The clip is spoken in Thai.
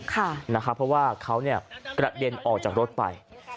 เพราะว่าเขากระเด็นออกจากรถไป